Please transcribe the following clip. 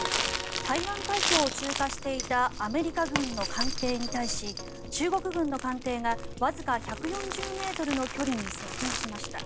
台湾海峡を通過していたアメリカ軍の艦艇に対し中国軍の艦艇がわずか１４０ｍの距離に接近しました。